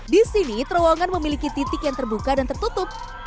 di sini terowongan memiliki titik yang terbuka dan tertutup